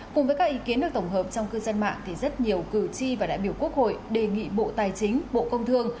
cùng với các ý kiến được tổng hợp trong cư dân mạng thì rất nhiều cử tri và đại biểu quốc hội đề nghị bộ tài chính bộ công thương